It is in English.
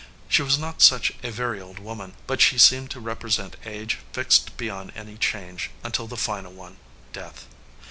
She was not such a very old woman, but she seemed to represent age fixed be yond any change until the final one, death.